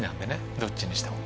どっちにしても。